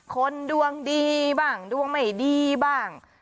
คนดวงดีบ้างดวงไม่ดีบ้าง